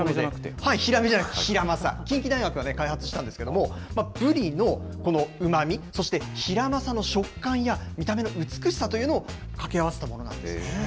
はい、ヒラメじゃなくて、ヒラマサ、近畿大学が開発したんですけれども、ブリのこのうまみ、そしてヒラマサの食感や見た目の美しさというのを掛け合わせたものなんですね。